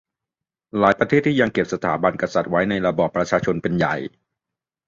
หลายประเทศที่ยังเก็บสถาบันกษัตริย์ไว้ในระบอบประชาชนเป็นใหญ่